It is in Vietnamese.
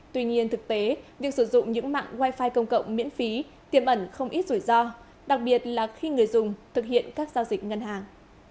tuy nhiên thực tế việc sử dụng những mạng wi fi công cộng miễn phí tiêm ẩn không ít rủi ro đặc biệt là khi người dùng thực hiện các giao dịch ngân hàng